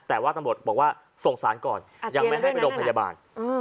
แต่ว่าตำรวจบอกว่าส่งสารก่อนยังไม่ให้ไปโรงพยาบาล